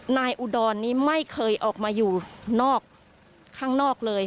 อุดรนี้ไม่เคยออกมาอยู่นอกข้างนอกเลย